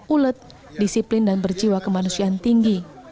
ulet disiplin dan berjiwa kemanusiaan tinggi